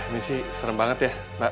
ini sih serem banget ya